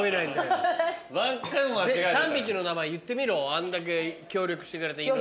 あんだけ協力してくれた犬の。